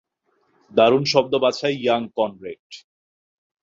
দারুণ শব্দ বাছাই, ইয়াং কনরেড।